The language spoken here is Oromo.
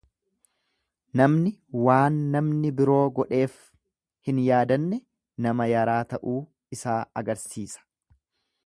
Namni waan namni biroo godheef hin yaadanne nama yaraa ta'uu isaa agarsiisa.